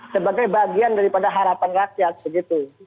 sebagai bagian daripada harapan rakyat begitu